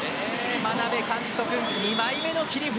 眞鍋監督、２枚目の切り札